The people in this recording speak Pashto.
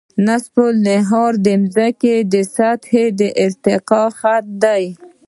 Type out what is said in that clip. نصف النهار د ځمکې د سطحې د تقاطع خط دی